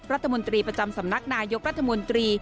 รัฐมนตรีประจำสำนักนายกรัฐมนตรี